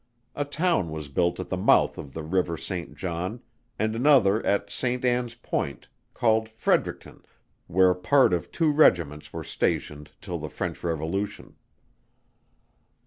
a Town was built at the mouth of the River Saint John, and another at St. Ann's Point, called Fredericton, where part of two Regiments were stationed till the French revolution.